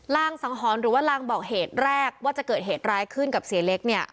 สังหรณ์หรือว่าลางบอกเหตุแรกว่าจะเกิดเหตุร้ายขึ้นกับเสียเล็กเนี่ย